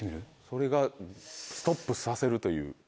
それがストップさせるという。